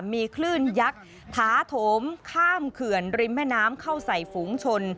มีคลื่นยักษ์ถาโถมข้ามเขื่อนริมแม่น้ำเข้าใส่ฝูงชน